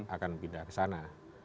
akan pindah ke sana